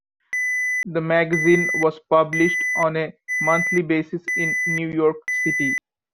The magazine was published on a monthly basis in New York City.